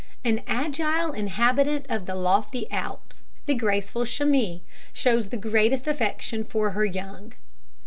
The agile inhabitant of the lofty Alps the graceful chamois shows the greatest affection for her young.